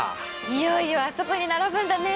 いよいよあそこに並ぶんだね！